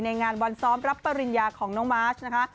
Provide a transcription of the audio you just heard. งานวันซ้อมรับปริญญาของน้องมาร์ชนะคะ